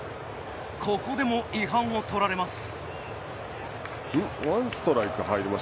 ここでも違反を取られます。